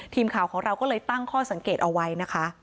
ทีมข่าวของเราก็เลยตั้งข้อสังเกตเอาไว้นะคะ